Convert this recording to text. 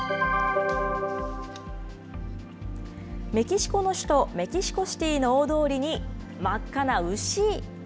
メキシコの首都メキシコシティーの大通りに真っ赤な牛。